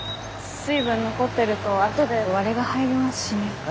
水分残ってると後で割れが入りますしね。